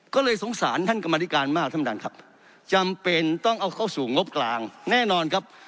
ก็เลยสงสารท่านกรรมธิการมากท่านประธานครับจำเป็นต้องเอาเข้าสู่งบกลางแน่นอนครับ